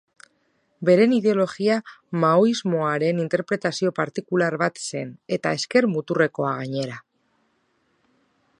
Beren ideologia maoismoaren interpretazio partikular bat zen eta ezker muturrekoa, gainera.